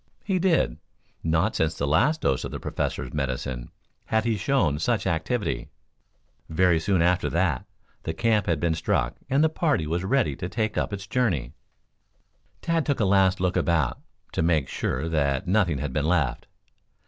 He did. Not since the last dose of the Professor's medicine had he shown such activity. Very soon after that the camp had been struck and the party was ready to take up its journey. Tad took a last look about, to make sure that nothing had been left.